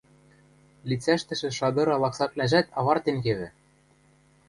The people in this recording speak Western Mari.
Лицӓштӹшӹ шадыра лаксаквлӓжӓт авартен кевӹ.